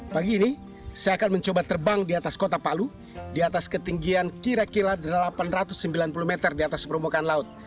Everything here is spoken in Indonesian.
pagi ini saya akan mencoba terbang di atas kota palu di atas ketinggian kira kira delapan ratus sembilan puluh meter di atas permukaan laut